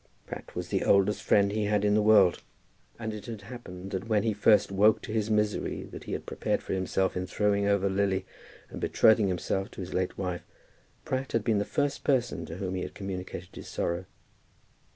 Pratt was the oldest friend he had in the world, and it had happened that when he first woke to the misery that he had prepared for himself in throwing over Lily and betrothing himself to his late wife, Pratt had been the first person to whom he had communicated his sorrow.